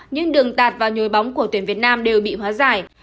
nhưng đường tạt và nhồi bóng của tuyển việt nam đều bị hóa giải